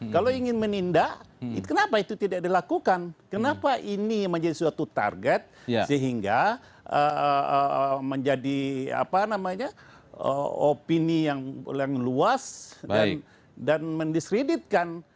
kalau ingin menindak kenapa itu tidak dilakukan kenapa ini menjadi suatu target sehingga menjadi opini yang luas dan mendiskreditkan